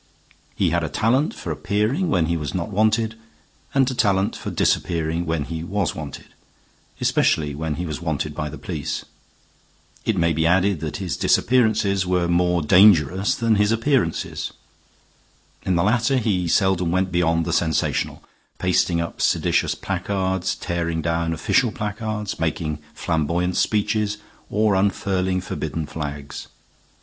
He had a talent for appearing when he was not wanted and a talent for disappearing when he was wanted, especially when he was wanted by the police. It may be added that his disappearances were more dangerous than his appearances. In the latter he seldom went beyond the sensational pasting up seditious placards, tearing down official placards, making flamboyant speeches, or unfurling forbidden flags.